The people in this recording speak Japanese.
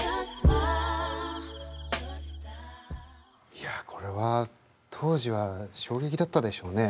いやこれは当時は衝撃だったでしょうね。